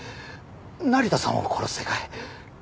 成田さんを殺す世界。